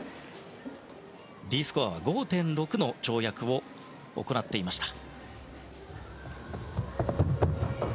Ｄスコアは５．６の跳躍を行っていました。